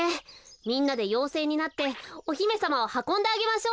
みんなでようせいになっておひめさまをはこんであげましょう。